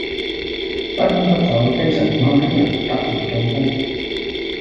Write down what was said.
不煙不酒非常健康的人突然中風